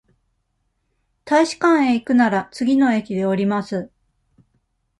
大使館へ行くなら、次の駅で降ります。